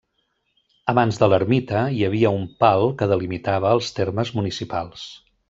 Abans de l'ermita hi havia un pal que delimitava els termes municipals.